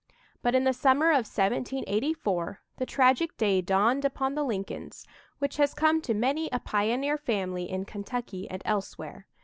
But, in the Summer of 1784, the tragic day dawned upon the Lincolns which has come to many a pioneer family in Kentucky and elsewhere.